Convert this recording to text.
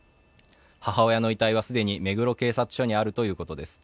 母親の遺体は既に目黒警察署にあるということです。